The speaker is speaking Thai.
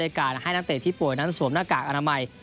การให้นักเตะที่ป่วยนั้นสวมหน้ากากอนามัย